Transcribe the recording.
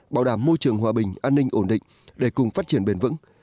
bảo đảm môi trường hòa bình an ninh ổn định để cùng phát triển bền vững